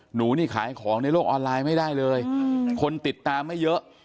หนูนี่ขายของในโลกออนไลน์ไม่ได้เลยคนติดตามไม่เยอะ